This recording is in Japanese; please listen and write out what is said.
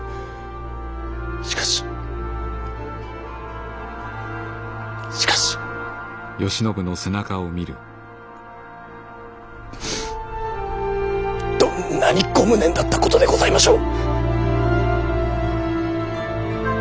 しかししかしどんなにご無念だったことでございましょう。